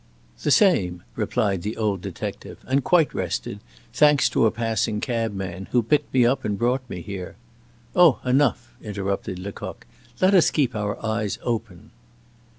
"The same," replied the old detective, "and quite rested, thanks to a passing cabman who picked me up and brought me here " "Oh, enough!" interrupted Lecoq. "Let us keep our eyes open."